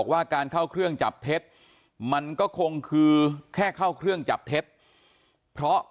ว่าการเข้าเครื่องจับเท็จมันก็คงคือแค่เข้าเครื่องจับเท็จเพราะ